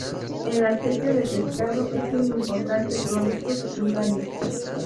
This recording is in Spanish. El aceite de pescado es un importante producto secundario.